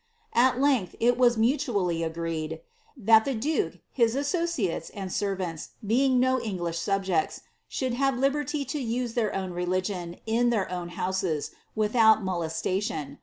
Al length, it was muitially agreed, thai tlw ilukc. his asBociau^s, and servants, being no English subjects, should have liberty to use ibeir own religion, in their own houses, without mole.'fiation.